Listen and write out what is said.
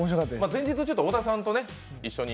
前日、小田さんと一緒に。